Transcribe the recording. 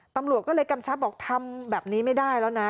ตำรวจก็เลยกำชับบอกทำแบบนี้ไม่ได้แล้วนะ